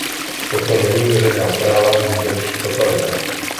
Toto není veřejná správa, nýbrž totalita.